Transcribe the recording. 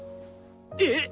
えっ！